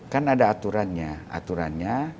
kan ada aturannya